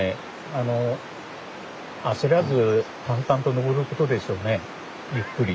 あの焦らず淡々と登ることでしょうねゆっくり。